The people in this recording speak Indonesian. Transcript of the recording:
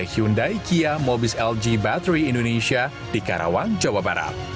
hyundai kia mobis lg baterai indonesia di karawang jawa barat